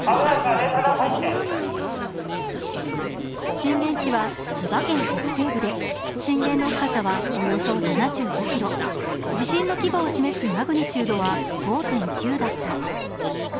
震源地は千葉県北西部で震源の深さはおよそ７５ｋｍ地震の規模を示すマグニチュードは５．９だった。